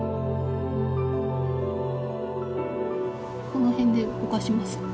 この辺でぼかします。